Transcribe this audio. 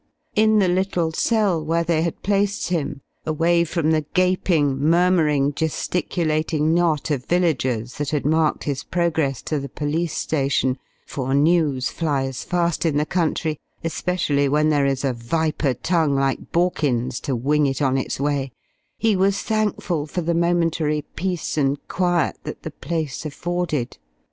In the little cell where they placed him, away from the gaping, murmuring, gesticulating knot of villagers that had marked his progress to the police station for news flies fast in the country, especially when there is a viper tongue like Borkins's to wing it on its way he was thankful for the momentary peace and quiet that the place afforded.